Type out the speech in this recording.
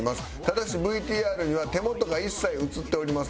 ただしＶＴＲには手元が一切映っておりません。